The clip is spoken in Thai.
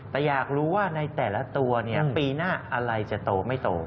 แต่อยากรู้ว่าในแต่ละตัวปีหน้าอะไรจะโตไม่โต